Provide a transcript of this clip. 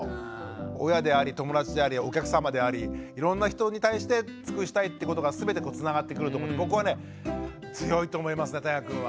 親であり友達でありお客様でありいろんな人に対して尽くしたいってことが全てつながってくると思うので僕はね強いと思いますねたいがくんは。